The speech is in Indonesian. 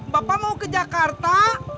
bapak mau ke jakarta